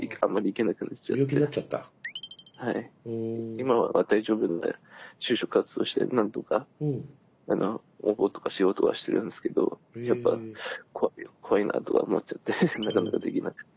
今は大丈夫で就職活動して何とか応募とかしようとはしてるんですけどやっぱ怖いなとか思っちゃってなかなかできなくて。